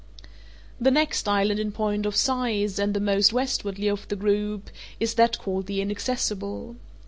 The next island in point of size, and the most westwardly of the group, is that called the Inaccessible.